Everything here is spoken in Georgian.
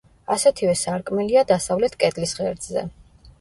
ასეთივე სარკმელია დასავლეთ კედლის ღერძზე.